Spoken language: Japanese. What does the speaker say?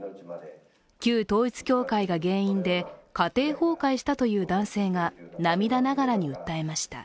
旧統一教会が原因で家庭崩壊したという男性が、涙ながらに訴えました。